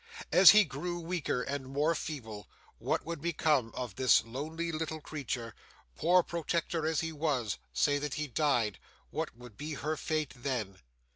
As he grew weaker and more feeble, what would become of this lonely little creature; poor protector as he was, say that he died what would be her fate, then?